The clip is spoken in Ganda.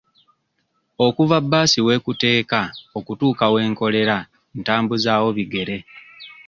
Okuva bbaasi w'ekuteeka okutuuka we nkolera ntambuzaawo bigere.